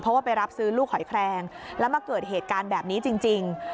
เพราะว่าไปรับซื้อลูกหอยแคลงแล้วมาเกิดเหตุการณ์แบบนี้จริง